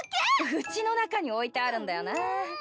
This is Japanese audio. うちの中に置いてあるんだよな。